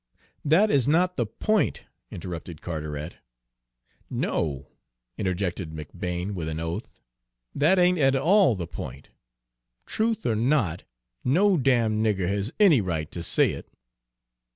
"That is not the point," interrupted Carteret. "No," interjected McBane with an oath, "that ain't at all the point. Truth or not, no damn nigger has any right to say it."